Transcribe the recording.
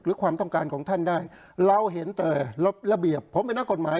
ความต้องการของท่านได้เราเห็นแต่ระเบียบผมเป็นนักกฎหมาย